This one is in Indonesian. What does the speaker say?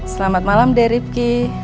selamat malam deh rizky